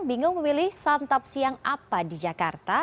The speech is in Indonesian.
bingung memilih santap siang apa di jakarta